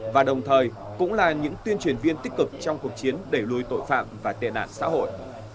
và đồng thời cũng là những tuyên truyền viên tích cực trong cuộc chiến đẩy lùi tội phạm và tệ nạn xã hội